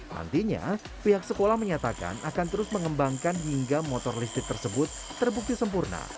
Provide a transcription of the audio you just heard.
nantinya pihak sekolah menyatakan akan terus mengembangkan hingga motor listrik tersebut terbukti sempurna